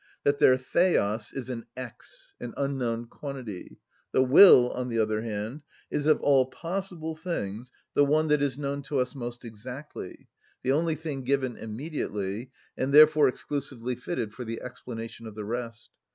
That their θεος is an x, an unknown quantity; the will, on the other hand, is of all possible things the one that is known to us most exactly, the only thing given immediately, and therefore exclusively fitted for the explanation of the rest.